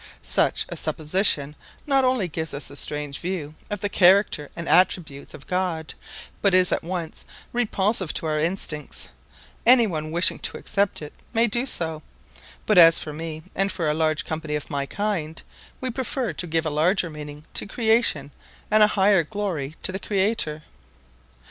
Such a supposition not only gives us a strange view of the character and attributes of God, but is at once repulsive to our instincts; anyone wishing to accept it may do so, but as for me and for a large company of my kind, we prefer to give a larger meaning to creation and a higher glory to the Creator.